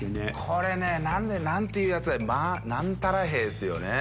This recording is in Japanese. これね何ていうやつ何たらへいですよね。